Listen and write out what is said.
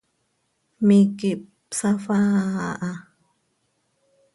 Miiqui hpsafaa aha.